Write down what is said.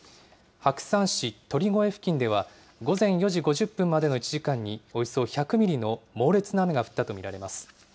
白山市鳥越付近では午前４時５０分までの１時間におよそ１００ミリの猛烈な雨が降ったと見られます。